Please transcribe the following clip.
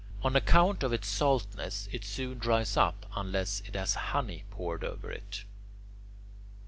On account of its saltness, it soon dries up unless it has honey poured over it.